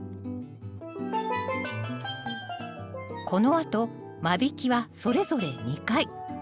このあと間引きはそれぞれ２回。